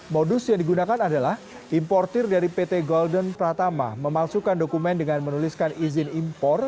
modus yang digunakan adalah importer dari pt golden pratama memalsukan dokumen dengan menuliskan izin impor